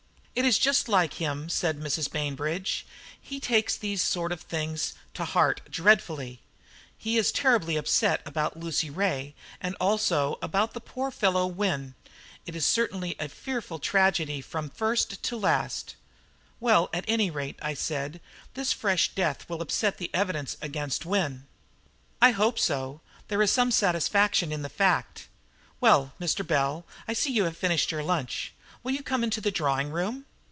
"It is just like him," said Mrs. Bainbridge; "he takes these sort of things to heart dreadfully. He is terribly upset about Lucy Ray, and also about the poor fellow Wynne. It is certainly a fearful tragedy from first to last." "Well, at any rate," I said, "this fresh death will upset the evidence against Wynne." "I hope so, and there is some satisfaction in the fact. Well, Mr. Bell, I see you have finished lunch; will you come into the drawing room?"